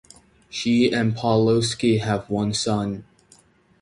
She and Pawlowski have one son.